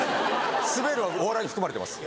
スベるはお笑いに含まれてます。